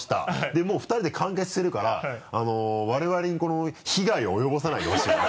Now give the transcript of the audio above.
でもう２人で完結してるから我々にこの被害を及ぼさないでほしいなって。